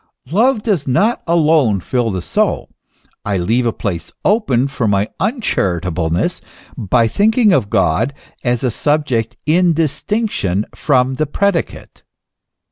Love does not alone fill my soul: I leave a place open for my uncharitableness by thinking of God as a subject in distinction from the predicate.